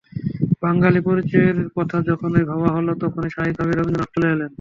বাঙালি পরিচয়ের কথা যখনই ভাবা হলো, তখন স্বাভাবিকভাবেই রবীন্দ্রনাথ চলে এলেন।